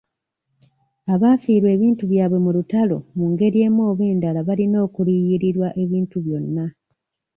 Abaafiirwa ebintu byabwe mu lutalo mu ngeri emu oba endala balina okuliyirirwa ebintu byonna.